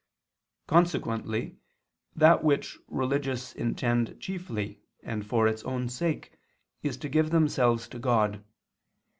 Consequently that which religious intend chiefly and for its own sake is to give themselves to God.